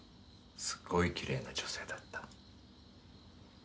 すっごいきれいな女性だった。